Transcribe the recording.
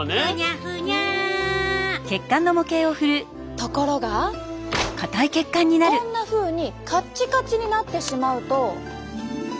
ところがこんなふうにカッチカチになってしまうと。